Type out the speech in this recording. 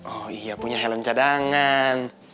oh iya punya helm cadangan